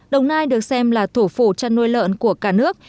đồng nai được xem là thủ phủ chăn nuôi lợn của cả nước